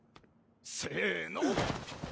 せの！